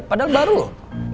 padahal baru loh